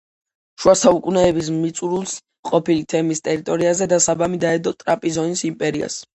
შუა საუკუნეების მიწურულს, ყოფილი თემის ტერიტორიაზე, დასაბამი დაედო ტრაპიზონის იმპერიას.